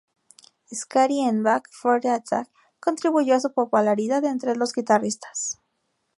Scary" en Back For The Attack contribuyó a su popularidad entre los guitarristas.